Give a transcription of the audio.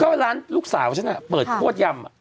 ก็ว่าร้านลูกสาวฉันน่ะเปิดขวดยำ